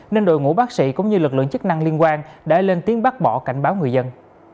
nên đội ngũ bác sĩ cũng như lực lượng chức năng liên quan đã lên tiếng bác bỏ cảnh báo người dân